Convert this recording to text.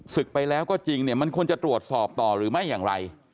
ไปแล้วก็จริงเนี่ยมันควรจะตรวจสอบต่อหรือไม่อย่างไร